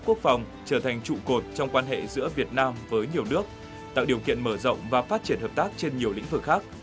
quốc phòng trở thành trụ cột trong quan hệ giữa việt nam với nhiều nước tạo điều kiện mở rộng và phát triển hợp tác trên nhiều lĩnh vực khác